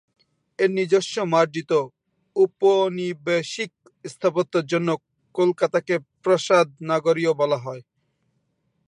এর নিজস্ব মার্জিত ঔপনিবেশিক স্থাপত্যের জন্য কলকাতাকে ‘প্রাসাদ নগরী’ও বলা হতো।